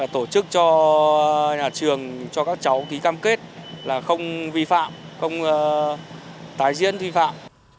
tổ chức cho nhà trường cho các cháu ký cam kết là không vi phạm không tái diễn vi phạm